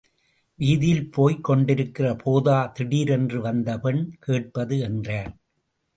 வீதியில் போய்க் கொண்டிருக்கிற போதா திடீரென்று வந்து பெண் கேட்பது? —என்றார்.